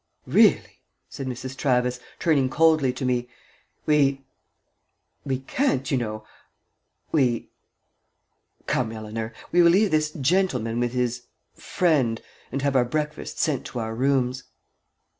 "Really," said Mrs. Travis, turning coldly to me, "we we can't, you know we Come, Eleanor. We will leave this gentleman with his friend, and have our breakfast sent to our rooms."